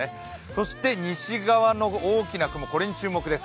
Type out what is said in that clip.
そして西側の大きな雲に注目です。